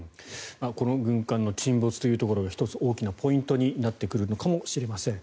この軍艦の沈没ということが１つ大きなポイントになってくるのかもしれません。